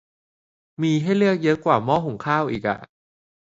มีให้เลือกเยอะกว่าหม้อหุงข้าวอีกอะ